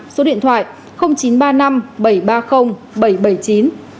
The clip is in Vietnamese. số điện thoại chín trăm ba mươi năm bảy trăm ba mươi bảy trăm bảy mươi chín